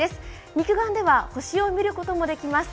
肉眼では星を見ることもできます。